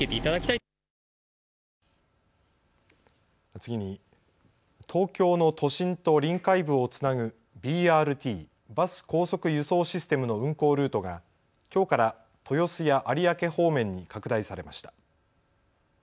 次に東京の都心と臨海部をつなぐＢＲＴ・バス高速輸送システムの運行ルートがきょうから豊洲や有明方面に拡大されました。